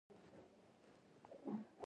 هغه چا غړیتوب په اتومات ډول منل کېده